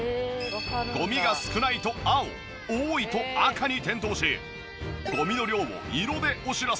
ゴミが少ないと青多いと赤に点灯しゴミの量を色でお知らせ！